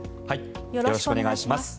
よろしくお願いします。